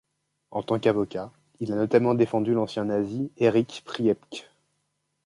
En tant qu'avocat, il a notamment défendu l'ancien nazi Erich Priebke.